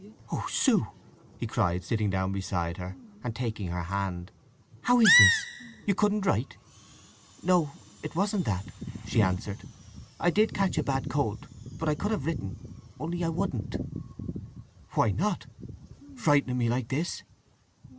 "Oh, Sue!" he cried, sitting down beside her and taking her hand. "How is this! You couldn't write?" "No—it wasn't that!" she answered. "I did catch a bad cold—but I could have written. Only I wouldn't!" "Why not?—frightening me like this!"